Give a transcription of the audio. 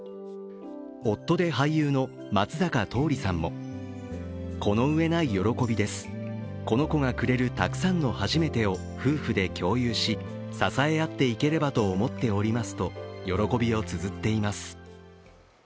夫で俳優の松坂桃李さんもこの上ない喜びです、この子がくれるたくさんの初めてを夫婦で共有し、支え合っていければと思っておりますと喜びをつづっています。